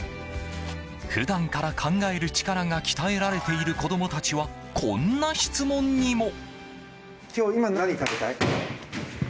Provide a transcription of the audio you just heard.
普段から考える力が鍛えられている子供たちはこんな質問にも。